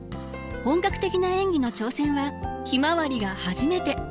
本格的な演技の挑戦は「ひまわり」が初めて。